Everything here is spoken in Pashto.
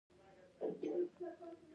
شاعر ته د شعر ویلو بلنه ورکول کیږي.